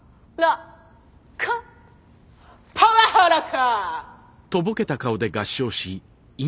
パワハラか！